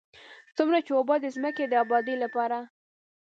څومره چې اوبه د ځمکې د ابادۍ لپاره.